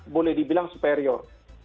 boleh dibilang superior